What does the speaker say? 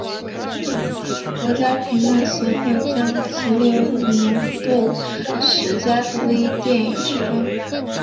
国家评论协会将其列入年度十佳独立电影之中。